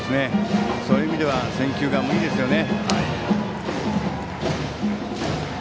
そういう意味では選球眼もいいですね。